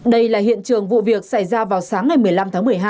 đây là hiện trường vụ việc xảy ra vào sáng ngày một mươi năm tháng một mươi hai